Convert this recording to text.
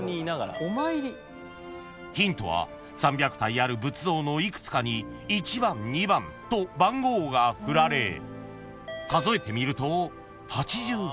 ［ヒントは３００体ある仏像の幾つかに「一番」「二番」と番号が振られ数えてみると］